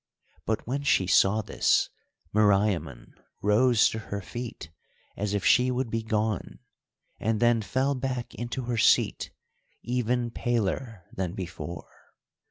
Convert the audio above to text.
But when she saw this Meriamun rose to her feet as if she would be gone, and then fell back into her seat even paler than before.